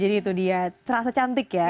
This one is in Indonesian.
jadi itu dia serasa cantik ya